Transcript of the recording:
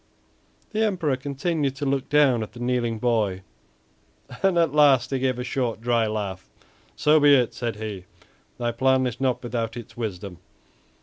The Emperor continued to look down at the kneeling boy, and at last he gave a short, dry laugh. "So be it," said he, "thy plan is not without its wisdom.